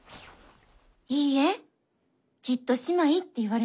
いいえきっと姉妹って言われます。